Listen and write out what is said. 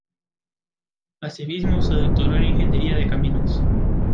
Asimismo se doctoró en Ingeniería de Caminos.